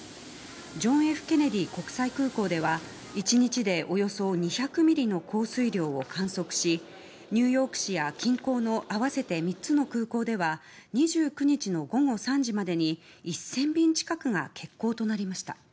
ジョン・Ｆ・ケネディ国際空港では１日でおよそ２００ミリの降水量を観測しニューヨーク市や近郊の合わせて３つの空港では２９日の午後３時までに１０００便近くが欠航となりました。